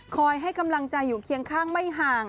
ให้กำลังใจอยู่เคียงข้างไม่ห่าง